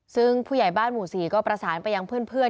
ซึ่งผู้ใหญ่บ้านหมู่๔ก็ประสานไปยังเพื่อน